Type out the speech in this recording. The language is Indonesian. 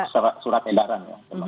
masuk ke surat edaran